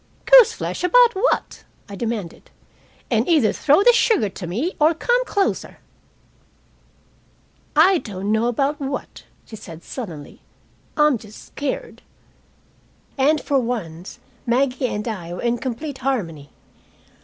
"Goose flesh about what?" I demanded. "And either throw the sugar to me or come closer." "I don't know about what," she said sullenly. "I'm just scared." And for once Maggie and I were in complete harmony.